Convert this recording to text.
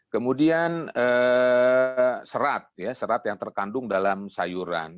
kemudian serap serap yang terkandung dalam sayuran